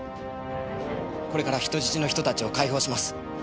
これから人質の人たちを解放します。